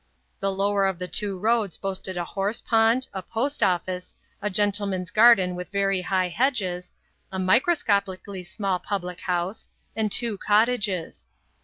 The lower of the two roads boasted a horse pond, a post office, a gentleman's garden with very high hedges, a microscopically small public house, and two cottages.